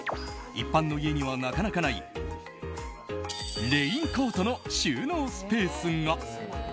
一般の家にはなかなかないレインコートの収納スペースが。